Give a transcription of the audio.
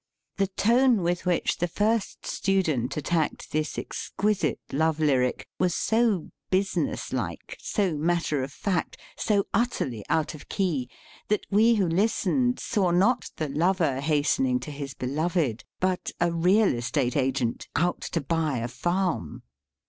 The tone with which the first student attacked this ex quisite love lyric was so businesslike, so mat ter of fact, so utterly out of key, that we who listened saw not the lover hastening to his beloved, but a real estate agent " out to buy " a farm.